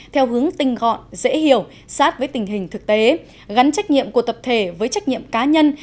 theo hướng tinh gọn dễ hiểu sát với tình hình thực tế gắn trách nhiệm của tập thể với trách nhiệm cá nhân